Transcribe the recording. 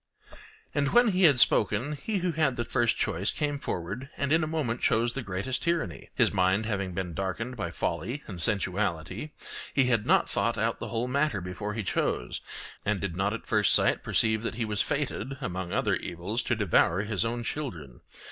And when he had spoken, he who had the first choice came forward and in a moment chose the greatest tyranny; his mind having been darkened by folly and sensuality, he had not thought out the whole matter before he chose, and did not at first sight perceive that he was fated, among other evils, to devour his own children.